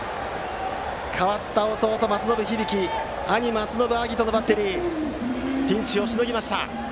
代わった弟の松延響と兄・松延晶音のバッテリーピンチをしのぎました！